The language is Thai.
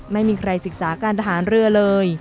ไม่มีใครศึกษาการทางเหลือ